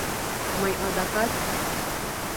Мый адакат...